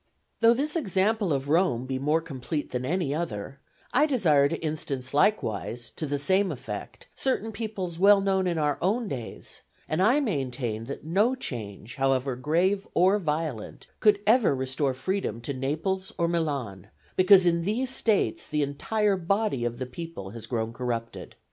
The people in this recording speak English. Though this example of Rome be more complete than any other, I desire to instance likewise, to the same effect, certain peoples well known in our own days; and I maintain that no change, however grave or violent, could ever restore freedom to Naples or Milan, because in these States the entire body of the people has grown corrupted.